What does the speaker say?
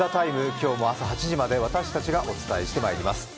今日も朝８時まで私たちがお伝えしていきます。